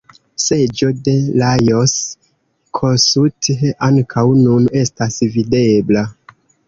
Seĝo de Lajos Kossuth ankaŭ nun estas videbla.